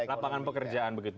lapangan pekerjaan begitu